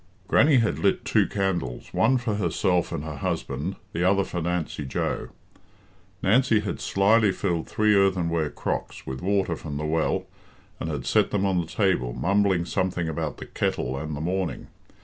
Grannie had lit two candles one for herself and her husband, the other for Nancy Joe. Nancy had slyly filled three earthenware crocks with water from the well, and had set them on the table, mumbling something about the kettle and the morning.